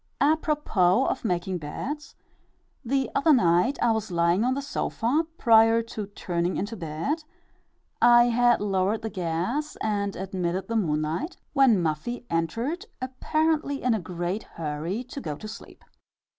Apropos of making beds: the other night I was lying on the sofa, prior to turning into bed I had lowered the gas and admitted the moonlight when Muffie entered, apparently in a great hurry to go to sleep.